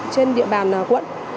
trên địa bàn quận